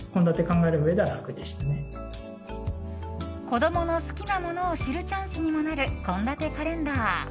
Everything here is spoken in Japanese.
子供の好きなものを知るチャンスにもなる献立カレンダー。